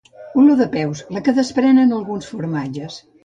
Olor de peus la que desprenen alguns formatges